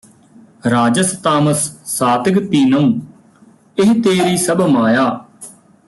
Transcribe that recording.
ਰਾਜਸ ਤਾਮਸ ਸਾਤਿਗ ਤੀਨੰਯੂ ਇਹ ਤੇਰੀ ਸਭ ਮਾਇਆ